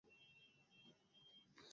আমি শুধু ওর সাথে ছোট্ট একটা কথা সারতে চাই।